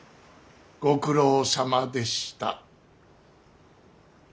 ご苦労さまでした。